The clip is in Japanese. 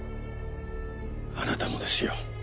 あなたもですよ。